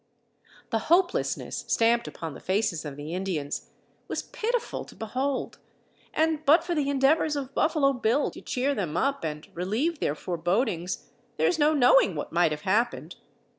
The hopelessness stamped upon the faces of the Indians was pitiful to behold, and but for the endeavors of Buffalo Bill to cheer them up and relieve their forebodings there is no knowing what might have happened.